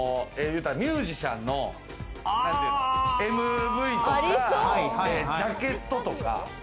ミュージシャンのＭＶとか、ジャケットとか。